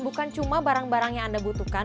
bukan cuma barang barang yang anda butuhkan